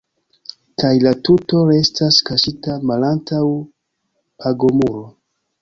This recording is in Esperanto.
Kaj la tuto restas kaŝita malantaŭ pagomuro.